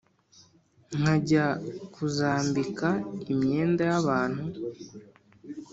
nkajya kuzambika imyenda yabantu